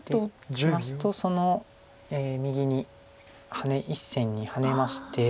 出ますとその右に１線にハネまして。